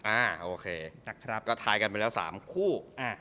อ่าโอเคก็ถ่ายกันไปแล้ว๓คู่